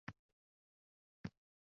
o‘zida saqlab qoladi